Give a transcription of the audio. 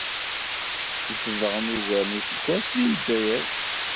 Zedɣent ugar n useggas deg Ldzayer.